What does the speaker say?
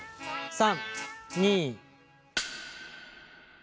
３２。